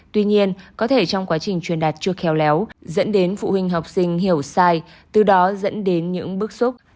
tuy nhiên có thể trong quá trình truyền đạt chưa khéo léo dẫn đến phụ huynh học sinh hiểu sai từ đó dẫn đến những bức xúc